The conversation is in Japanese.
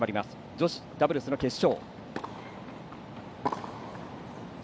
女子ダブルスの決勝。